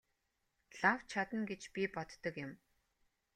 Лав чадна гэж би боддог юм.